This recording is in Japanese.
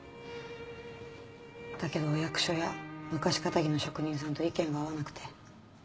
だけどお役所や昔気質の職人さんと意見が合わなくて。